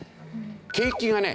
景気がね